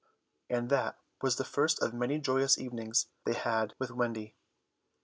And that was the first of the many joyous evenings they had with Wendy.